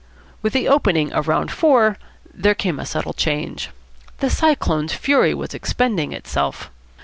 With the opening of round four there came a subtle change. The Cyclone's fury was expending itself.